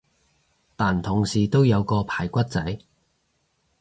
但同時都有個排骨仔